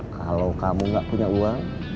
kalau kamu gak punya uang